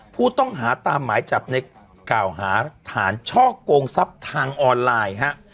ผู้ต้องหาตามหมายจับในกล่าวหาฐานช่อกงทรัพย์ทางออนไลน์ฮะ